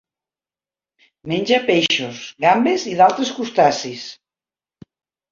Menja peixos, gambes i d'altres crustacis.